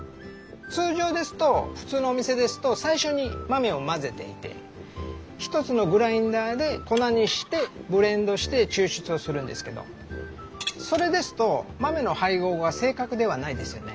通常ですと普通のお店ですと最初に豆を混ぜていて１つのグラインダーで粉にしてブレンドして抽出するんですけどそれですと豆の配合は正確ではないですよね。